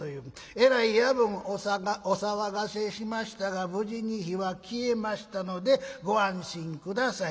『えらい夜分お騒がせしましたが無事に火は消えましたのでご安心下さい。